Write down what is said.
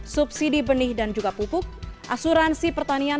subsidi benih dan juga pupuk asuransi pertanian